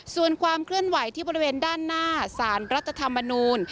ส่วนความเคลื่อนไหวที่บริเวณด้านหน้าสารรัฐธรรมนูล